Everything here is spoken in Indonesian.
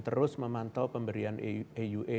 terus memantau pemberian aua